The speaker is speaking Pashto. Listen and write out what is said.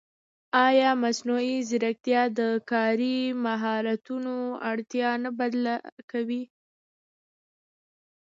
ایا مصنوعي ځیرکتیا د کاري مهارتونو اړتیا نه بدله کوي؟